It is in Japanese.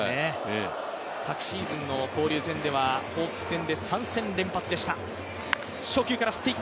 昨シーズンの交流戦ではホークス戦で３戦連発でした。